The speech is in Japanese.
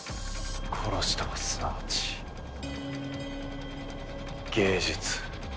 殺しとはすなわち芸術。